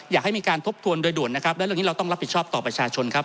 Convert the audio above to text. อยากให้มีการทบทวนโดยด่วนนะครับและเรื่องนี้เราต้องรับผิดชอบต่อประชาชนครับ